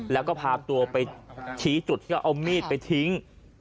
แล้วก็พาตัวไปชี้จุดที่เขาเอามีดไปทิ้ง